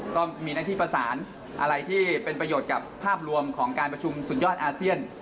ก็มีหน้าที่ประสานอะไรที่เป็นประโยชน์กับภาพรวมของการประชุมสุดยอดอาเซียน